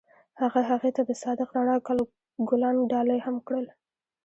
هغه هغې ته د صادق رڼا ګلان ډالۍ هم کړل.